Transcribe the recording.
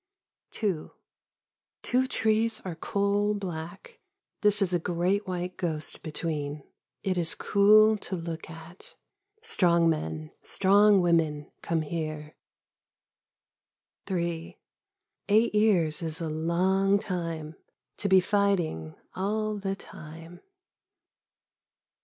2 Two trees are coal black. This is a great white ghost between. It is cool to look at. Strong men, strong women, come here. Eight years is a long time To be fighting all the time.